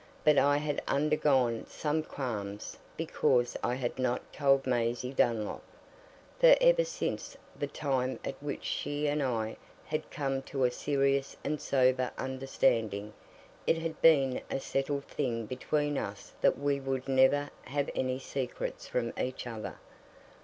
But I had undergone some qualms because I had not told Maisie Dunlop, for ever since the time at which she and I had come to a serious and sober understanding, it had been a settled thing between us that we would never have any secrets from each other.